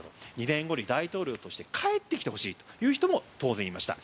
２年後に大統領として帰ってきてほしいという人もいました。